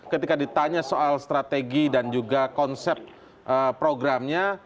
ketika ditanya soal strategi dan juga konsep programnya